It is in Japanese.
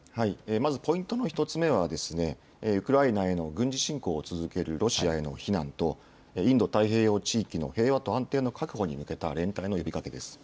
まずポイントの１つ目はウクライナへの軍事侵攻を続けるロシアへの非難とインド太平洋地域の平和と安定の確保に向けた連帯の呼びかけです。